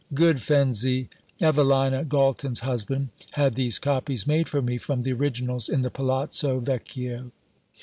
Good Fenzi, Evelina Galton's husband, had these copies made for me from the originals in the Palazzo Vecchio.